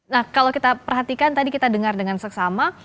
nah kalau kita perhatikan tadi kita dengar dengan seksama